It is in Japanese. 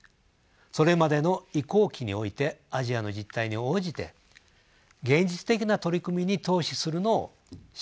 それまでの移行期においてアジアの実態に応じて現実的な取り組みに投資するのを支援することが必要です。